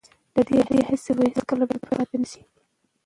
د ده هڅې به هیڅکله بې پایلې پاتې نه شي.